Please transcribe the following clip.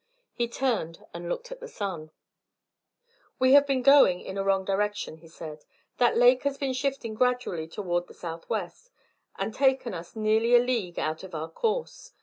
He turned and looked at the sun. "We have been going in a wrong direction," he said. "That lake has been shifting gradually toward the southwest, and taken us nearly a league out of our course.